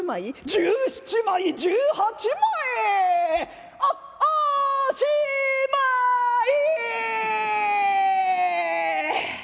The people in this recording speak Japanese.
「１７枚１８枚あっおしまい」。